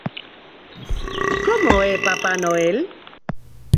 Como é Papá Noel?